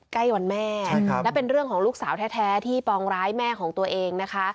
ใกล้วันแม่และเป็นเรื่องของลูกสาวแท้ที่ปองร้ายแม่ของตัวเองนะคะ